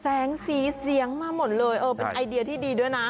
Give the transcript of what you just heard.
แสงสีเสียงมาหมดเลยเออเป็นไอเดียที่ดีด้วยนะ